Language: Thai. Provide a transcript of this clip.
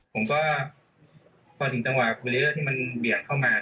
ผมก็พอถึงจังหวะวิดีเลอร์ที่มันเบียดเข้ามา